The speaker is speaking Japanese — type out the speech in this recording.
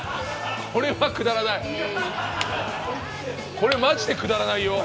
これマジでくだらないよ。